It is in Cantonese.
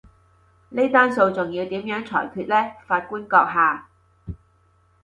呢單訴訟要點樣裁決呢，法官閣下？